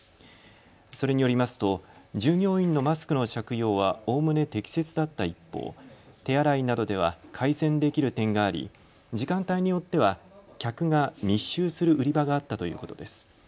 それによりますと従業員のマスクの着用はおおむね適切だった一方、手洗いなどでは改善できる点があり時間帯によっては客が密集する売り場があったということです。